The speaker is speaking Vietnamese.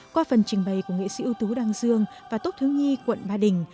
qua phần trình bày của nghệ sĩ ưu tú đăng dương và tốt thứ nhi quận ba đình